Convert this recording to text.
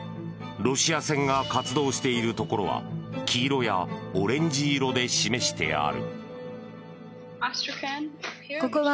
ロシア船が活動しているところは黄色やオレンジ色で示してある。